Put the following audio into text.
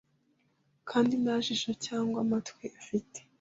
Kandi nta jisho cyangwa amatwi afite;